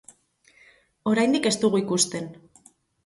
Oraindik ez dugu ikusten.